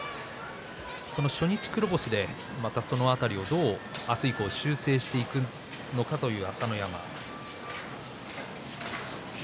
初日黒星でまたその辺りをどう明日以降修正していくのかという朝乃山。